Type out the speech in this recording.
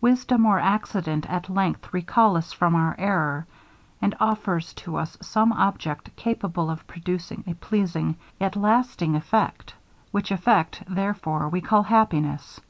Wisdom or accident, at length, recal us from our error, and offers to us some object capable of producing a pleasing, yet lasting effect, which effect, therefore, we call happiness.